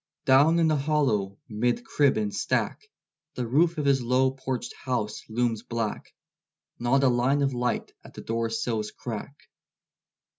Down in the hollow, 'mid crib and stack, The roof of his low porched house looms black; Not a line of light at the doorsill's crack.